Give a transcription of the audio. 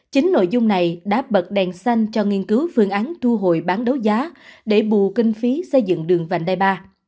chính nội dung này đã bật đèn xanh cho nghiên cứu phương án thu hồi bán đấu giá để bù kinh phí xây dựng đường vành đai ba